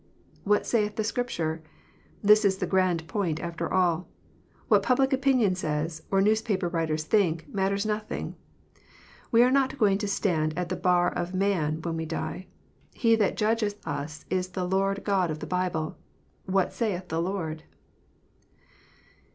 What saith the Scripture ? This is the grand point after all. What public opinion says, or newspaper writers think, matters nothing. We are not going to stand at the bar of man when we die. He that judgeth us is the Lord God of the Bible. What saith the Lord?